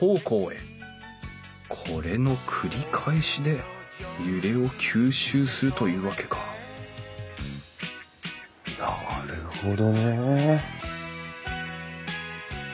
これの繰り返しで揺れを吸収するというわけかなるほどね。